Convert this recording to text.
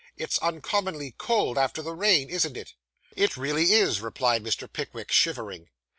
It's uncommonly cold after the rain, isn't it?' 'It really is,' replied Mr. Pickwick, shivering.